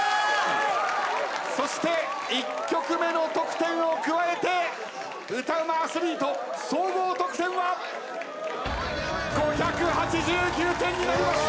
そして１曲目の得点を加えて歌ウマアスリート総合得点は５８９点になりました。